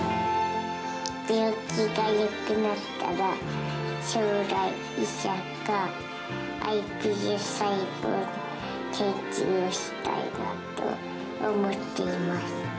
病気がよくなったら、将来、医者か、ｉＰＳ細胞の研究をしたいなと思っています。